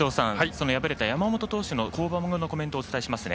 敗れた山本投手の降板後のコメントをお伝えします。